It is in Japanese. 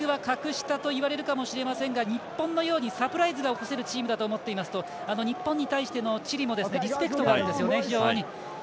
ランク格下といわれるかもしれませんが日本のようにサプライズが起こせるチームだと思っているとチリも日本に対してリスペクトがあるんですよね。